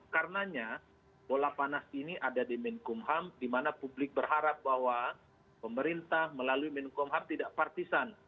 karenanya bola panas ini ada di menkumham di mana publik berharap bahwa pemerintah melalui menkumham tidak partisan